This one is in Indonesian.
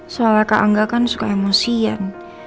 soalnya kak angga kan suka emosian